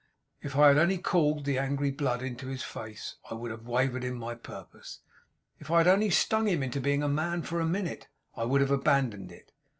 If I had only called the angry blood into his face, I would have wavered in my purpose. If I had only stung him into being a man for a minute I would have abandoned it.